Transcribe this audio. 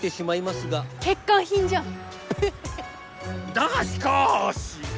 だがしかし！